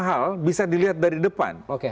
hal bisa dilihat dari depan